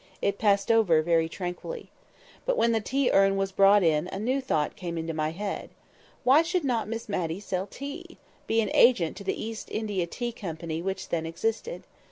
It passed over very tranquilly. But when the tea urn was brought in a new thought came into my head. Why should not Miss Matty sell tea—be an agent to the East India Tea Company which then existed?